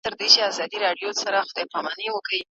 د هر چا برخه معلومه ده.